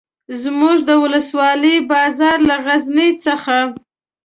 زموږ د ولسوالۍ بازار له غزني څخه.